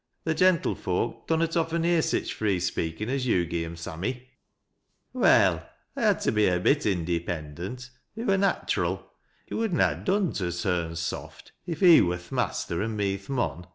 " Th' gentle folk dunnot often hear sich free fpeakin' as yo' gi' 'em, Sammy." " Well, I had to be a bit indypendent ; it wur nat'ral It would na ha' dme to ha' turnt soft, if he w KJ'th' mester an' rae th' mon.